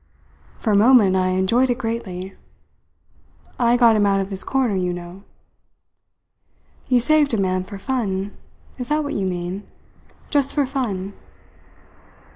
For a moment I enjoyed it greatly. It got him out of his corner, you know." "You saved a man for fun is that what you mean? Just for fun?"